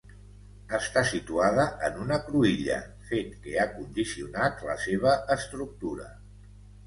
Està situada en una cruïlla, fet que ha condicionat la seva estructura.